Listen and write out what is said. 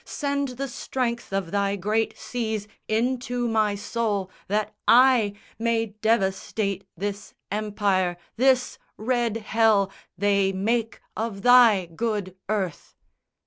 Send the strength Of Thy great seas into my soul that I May devastate this empire, this red hell They make of Thy good earth."